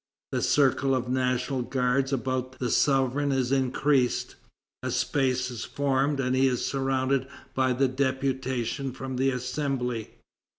The circle of National Guards about the sovereign is increased. A space is formed, and he is surrounded by the deputation from the Assembly.